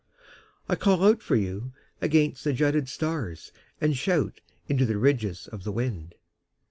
I call out for you against the jutted stars And shout into the ridges of the wind.